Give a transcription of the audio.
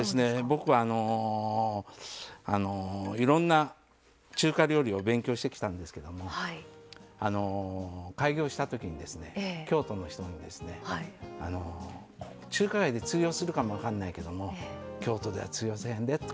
僕はいろんな中華料理を勉強してきたんですけども開業した時にですね京都の人に中華街で通用するかも分かんないけども京都では通用せえへんでと。